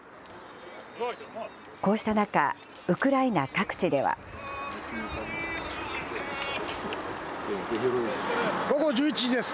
こうした中、ウクライナ各地では。午後１１時です。